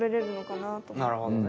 なるほどね。